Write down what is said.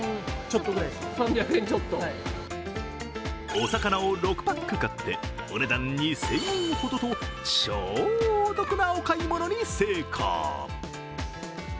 お魚を６パック買ってお値段２０００円ほどと超お得なお買い物に成功。